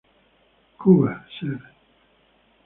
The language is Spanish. Cuba" Ser.